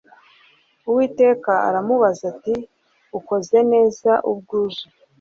Uwiteka aramubaza ati Ukoze neza ubwo uje